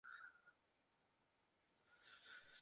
讀書工作，一生受用